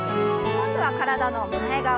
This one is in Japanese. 今度は体の前側。